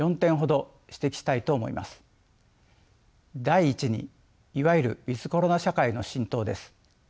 第１にいわゆるｗｉｔｈコロナ社会の浸透です。